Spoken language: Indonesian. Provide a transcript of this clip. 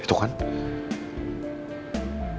pak tunggu di luar ya